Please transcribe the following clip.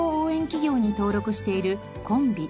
企業に登録しているコンビ。